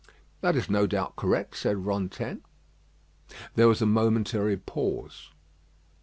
"That is no doubt correct," said Rantaine. There was a momentary pause.